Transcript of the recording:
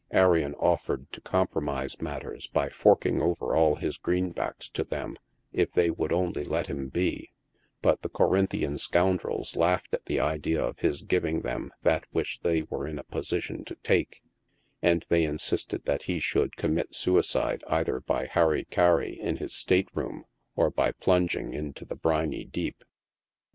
Arion offered to compromise matters by forking over all his greenbacks to them if they would only let him be, but the Corinthian scoundrels laughed at the idea of his giving them that which they were in a position to take, and they in sisted that he should commit suicide either by hari kari in his state room, or by plunging into the briny deep.